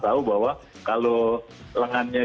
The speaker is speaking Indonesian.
tahu bahwa kalau lengannya